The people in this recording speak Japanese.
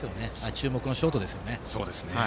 注目のショートですよね。